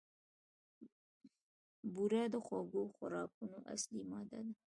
بوره د خوږو خوراکونو اصلي ماده ده.